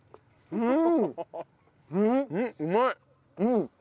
うん。